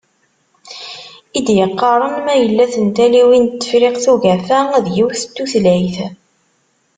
I d-yeqqaren ma yella tantaliwin n Tefriqt Ugafa d yiwet n tutlayt?